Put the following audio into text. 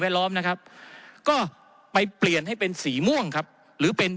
ล้อมนะครับก็ไปเปลี่ยนให้เป็นสีม่วงครับหรือเป็น